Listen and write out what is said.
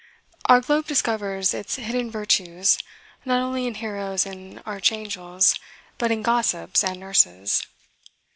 Our globe discovers its hidden virtues, not only in heroes and archangels, but in gossips and nurses.